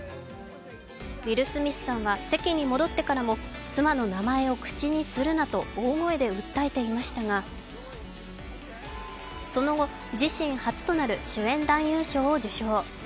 ウィル・スミスさんは席に戻ってからも妻の名前を口にするなと大声で訴えていましたが、その後、自身初となる主演男優賞を受賞。